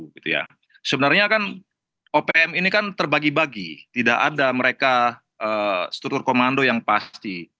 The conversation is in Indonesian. sebenarnya kan opm ini kan terbagi bagi tidak ada mereka struktur komando yang pasti